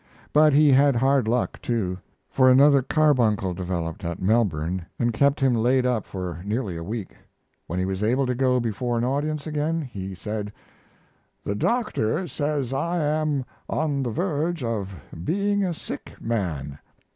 But he had hard luck, too, for another carbuncle developed at Melbourne and kept him laid up for nearly a week. When he was able to go before an audience again he said: "The doctor says I am on the verge of being a sick man.